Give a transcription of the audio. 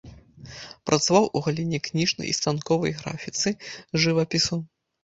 Працаваў у галіне кніжнай і станковай графіцы, жывапісу.